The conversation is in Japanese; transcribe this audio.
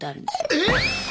えっ！